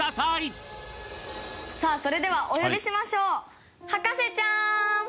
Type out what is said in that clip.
さあそれではお呼びしましょう。